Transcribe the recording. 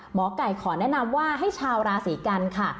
หมอไก่ขอแนะนำว่าให้ชาวราศีกันค่ะ